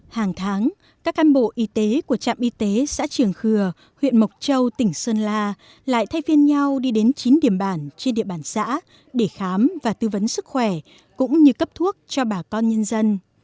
hàng tháng các can bộ y tế của trạm y tế xã trường khừa huyện mộc châu tỉnh sơn la lại thay viên nhau đi đến chín điểm bản trên địa bàn xã để khám và tư vấn sức khỏe cũng như cấp thuốc cho bà con nhân dân